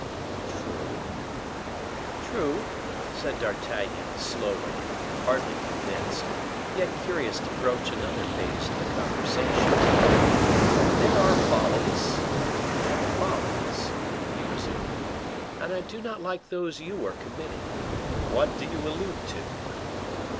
"True, true," said D'Artagnan, slowly, hardly convinced, yet curious to broach another phase of the conversation. "There are follies, and follies," he resumed, "and I do not like those you are committing." "What do you allude to?"